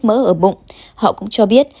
mỡ ở bụng họ cũng cho biết